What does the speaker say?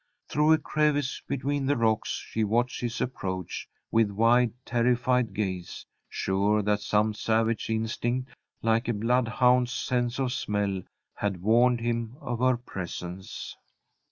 Through a crevice between the rocks she watched his approach with wide, terrified gaze, sure that some savage instinct, like a bloodhound's sense of smell, had warned him of her presence.